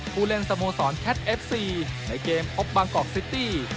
ผู้เล่นสโมสรแคทเอฟซีในเกมพบบางกอกซิตี้